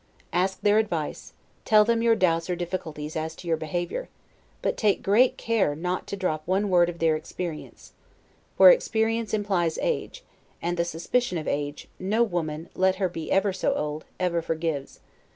Ask their advice, tell them your doubts or difficulties as to your behavior; but take great care not to drop one word of their experience; for experience implies age; and the suspicion of age, no woman, let her be ever so old, ever forgives.